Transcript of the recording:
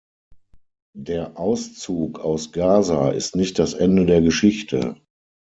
Der Auszug aus Gaza ist nicht das Ende der Geschichte.